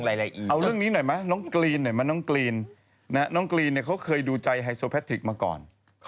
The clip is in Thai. เอาเรื่องนี้หน่อยมั้ยน้องกรีนเนี้ยเขาเคยดูใจไฮสโอแพทริคมาก่อน